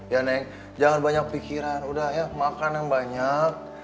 ya neng jangan banyak pikiran udah ya makan yang banyak